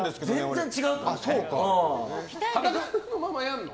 裸のままやるの？